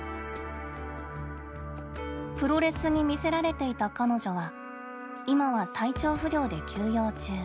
プロレスに魅せられていた彼女は今は体調不良で休養中。